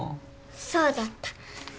そうだった。